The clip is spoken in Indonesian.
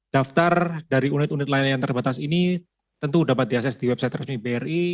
daftar dari unit unit layanan yang terbatas ini tentu dapat diakses di website resmi bri